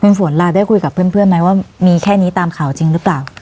คุณฝนล่ะได้คุยกับเพื่อนไหมว่ามีแค่นี้ตามข่าวจริงหรือเปล่า